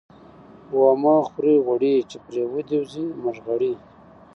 ـ ومه خورئ غوړي ،چې پرې ودې وځي مړغړي.